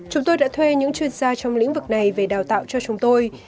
chúng tôi đã thuê những chuyên gia trong lĩnh vực này về đào tạo cho chúng tôi